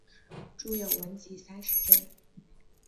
着有文集三十卷。